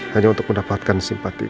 hanya untuk mendapatkan simpatiku